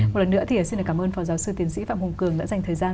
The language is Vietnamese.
một lần nữa thì xin cảm ơn phó giáo sư tiến sĩ phạm hùng cường đã dành thời gian